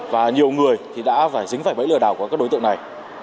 và nhiều người thì đã phải dính phải bẫy lừa đảo của các đối tượng này